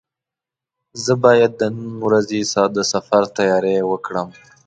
زه باید د نن ورځې د سفر تیاري وکړم.